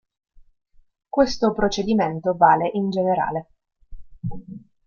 Questo procedimento vale in generale.